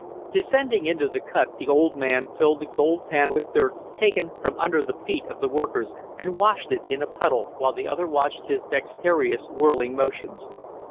Descending into the cut, the old man filled a gold pan with dirt taken from under the feet of the workers, and washed it in a puddle, while the other watched his dexterous whirling motions.